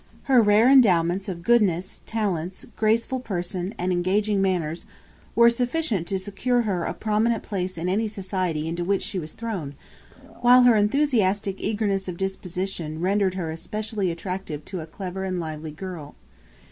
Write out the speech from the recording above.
Her rare endowments of goodness, talents, graceful person, and engaging manners, were sufficient to secure her a prominent place in any society into which she was thrown; while her enthusiastic eagerness of disposition rendered her especially attractive to a clever and lively girl.